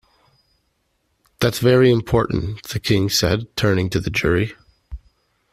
‘That’s very important,’ the King said, turning to the jury.